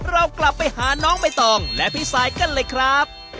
เรากลับไปหาน้องใบตองและพี่ซายกันเลยครับ